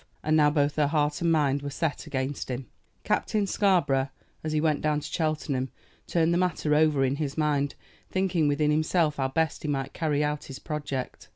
And now both her heart and mind were set against him. Captain Scarborough, as he went down to Cheltenham, turned the matter over in his mind, thinking within himself how best he might carry out his project.